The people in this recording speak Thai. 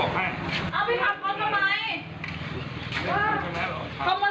พี่ย้านเข้าบ้าน